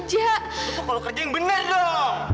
jangan lupa kalo kerja yang benar dong